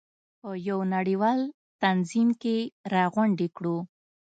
په یو نړیوال تنظیم کې راغونډې کړو.